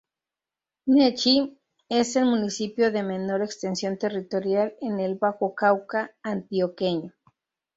Nechí es el municipio de menor extensión territorial en el "Bajo Cauca" antioqueño.